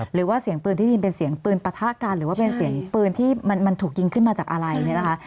หรือว่าเสียงปืนที่ยินเป็นเสียงปืนปะทะกันหรือว่าเป็นเสียงปืนที่มันถูกยิงขึ้นมาจากอะไรเนี่ยนะคะ